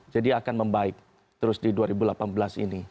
jadi akan membaik terus di dua ribu delapan belas ini